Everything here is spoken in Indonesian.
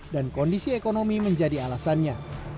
dan kondisi ekonomi menjadi alasannya